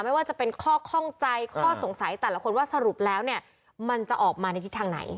ไม่ว่าจะเป็นข้อข้องใจข้อสงสัยแต่ละคนว่าสรุปแล้วเนี่ยมันจะออกมาในทิศทางไหน